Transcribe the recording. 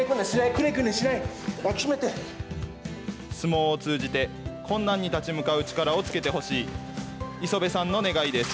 相撲を通じて、困難に立ち向かう力をつけてほしい、磯部さんの願いです。